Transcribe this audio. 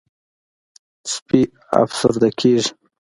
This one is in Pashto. سپي افسرده کېږي.